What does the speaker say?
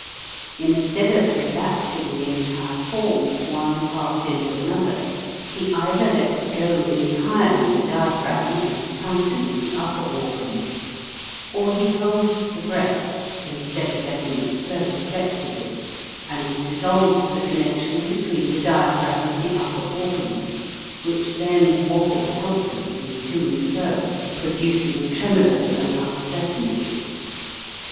Instead of relaxing the entire form, one part into another, he either lets go entirely the diaphragm and tightens the upper organs, or he holds the breath instead of letting it flow 282 HOW TO SING flexibly, and dissolves the connection between the diaphragm and the upper organs, which then wobble helplessly to and fro, producing tremolo and uncertainty.